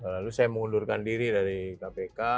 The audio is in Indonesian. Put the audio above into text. lalu saya mengundurkan diri dari kpk